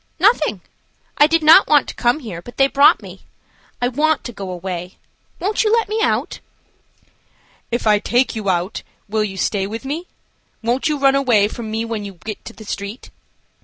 "Nothing. I did not want to come here, but they brought me. I want to go away. Won't you let me out?" "If I take you out will you stay with me? Won't you run away from me when you get on the street?"